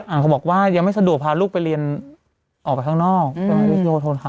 อ่าเขาบอกว่ายังไม่สะดวกพาลูกไปเรียนออกไปข้างนอก